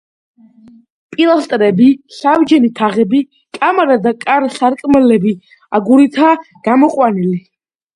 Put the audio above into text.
პილასტრები, საბჯენი თაღები, კამარა და კარ-სარკმლები აგურითაა გამოყვანილი.